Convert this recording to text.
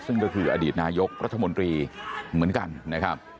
ซึ่งก็คืออดีตนายกรัฐมนตรีเหมือนกันนะครับ